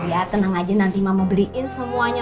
ya tenang aja nanti mama beliin semuanya